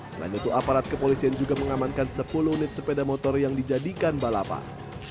selain itu aparat kepolisian juga mengamankan sepuluh unit sepeda motor yang dijadikan balapan